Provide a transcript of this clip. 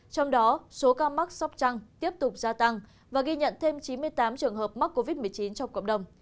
con mắc sắp trăng tiếp tục gia tăng và ghi nhận thêm chín mươi tám trường hợp mắc covid một mươi chín trong cộng đồng